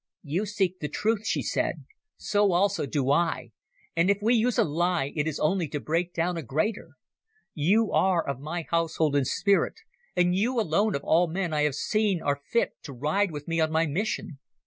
"You seek the truth," she said. "So also do I, and if we use a lie it is only to break down a greater. You are of my household in spirit, and you alone of all men I have seen are fit to ride with me on my mission.